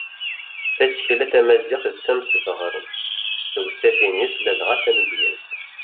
Tasekla tamaziɣt d tamesbeɣrut s tewsatin-is ladɣa tamedyazt.